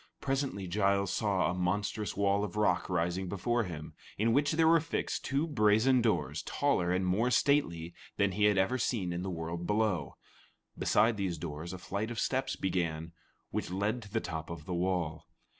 Presently Giles saw a monstrous wall of rock rising before him, in which were fixed two brazen doors taller and more stately than he had ever seen in the world below. Beside these doors, a flight of steps began, which led to the top of the wall.